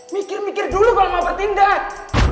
mikir mikir dulu kalau mau bertindak